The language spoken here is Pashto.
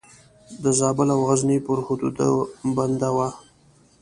د زابل او غزني پر حدودو بنده وه.